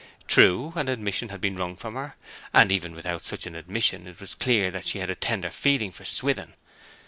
True, an admission had been wrung from her; and even without such an admission it was clear that she had a tender feeling for Swithin.